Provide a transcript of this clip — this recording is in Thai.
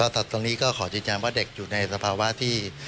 ตอนนี้ก็ขอจินย้ำว่าเด็กอยู่ในสภาวะที่